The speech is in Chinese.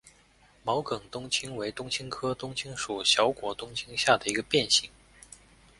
毛梗冬青为冬青科冬青属小果冬青下的一个变型。